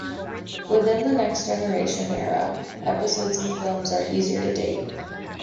Within "The Next Generation" era, episodes and films are easier to date.